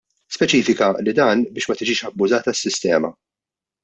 Speċifika li dan biex ma tiġix abbużata s-sistema.